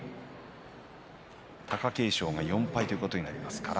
貴景勝が４敗ということになります。